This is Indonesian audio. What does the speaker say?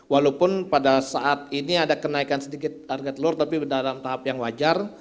walaupun pada saat ini ada kenaikan sedikit harga telur tapi dalam tahap yang wajar